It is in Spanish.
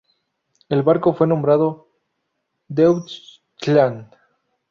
El barco fue nombrado "Deutschland".